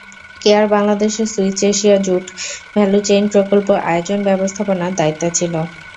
Care বাংলাদেশের switch Asia jute value chain প্রকল্প আয়োজন ব্যবস্থাপনার দায়িত্বে ছিল।